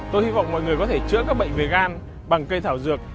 tôi hy vọng mọi người có thể chữa các bệnh về gan bằng cây thảo dược